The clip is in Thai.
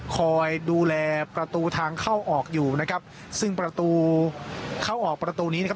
คอยดูแลประตูทางเข้าออกอยู่นะครับซึ่งประตูเข้าออกประตูนี้นะครับ